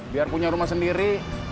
biar punya rumah sendiri